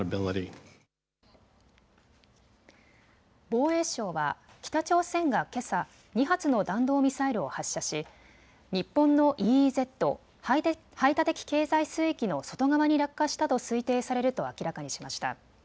防衛省は北朝鮮がけさ２発の弾道ミサイルを発射し、日本のＥＥＺ・排他的経済水域の外側に落下したと推定されると明らかにしました。